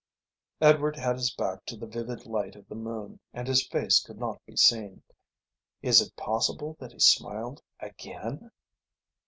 Edward had his back to the vivid light of the moon and his face could not be seen. Is it possible that he smiled again?